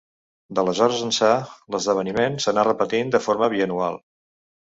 D'aleshores ençà, l'esdeveniment s'anà repetint de forma bianual.